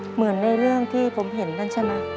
เหมือนในเรื่องที่ผมเห็นนั่นใช่ไหม